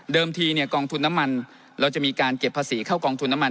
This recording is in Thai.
ทีเนี่ยกองทุนน้ำมันเราจะมีการเก็บภาษีเข้ากองทุนน้ำมัน